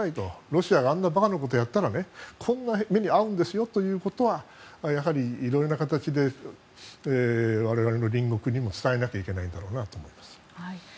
ロシアがあんな馬鹿なことをやったらこんな目に遭うんですよということはやはりいろいろな形で我々の隣国にも伝えなきゃいけないと思います。